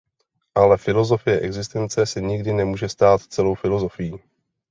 Ale filosofie existence se nikdy nemůže stát celou filosofií.